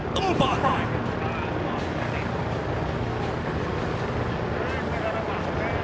tidak ada yang bergerak